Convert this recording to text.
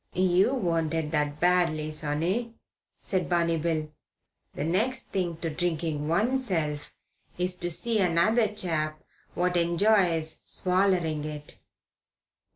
"You wanted that badly, sonny," said Barney Bill. "The next thing to drinking oneself is to see another chap what enjoys swallering it."